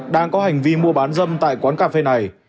đang có hành vi mua bán dâm tại quán cà phê này